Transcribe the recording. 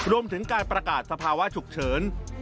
รวมถึงการประกาศสภาวะฉุกเฉิน